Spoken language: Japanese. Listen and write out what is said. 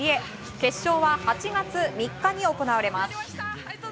決勝は８月３日に行われます。